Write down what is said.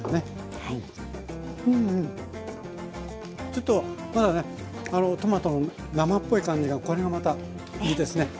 ちょっとまだねあのトマトの生っぽい感じがこれがまたいいですね。